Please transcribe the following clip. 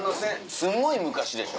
すごい昔でしょ？